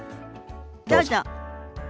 どうぞ。